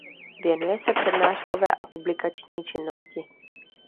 Věnuje se přednáškové a publikační činnosti.